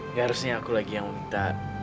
nggak harusnya aku lagi yang minta